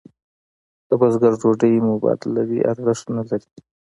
د بزګر ډوډۍ مبادلوي ارزښت نه لري.